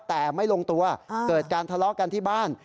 แต่ไม่ลงตัวเกิดการทะเลาะกันที่บ้าน